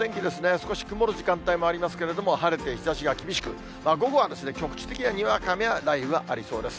少し曇る時間帯もありますけれども、晴れて日ざしが厳しく、午後は局地的なにわか雨や雷雨がありそうです。